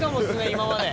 今まで。